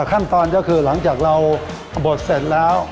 ขั้นตอนก็คือหลังจากเราบดเสร็จแล้ว